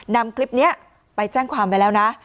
นำคลิปนี้ไปแจ้งความไว้แล้วนะ